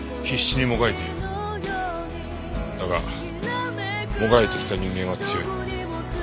だがもがいてきた人間は強い。